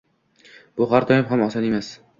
Bu har doim ham oson emas.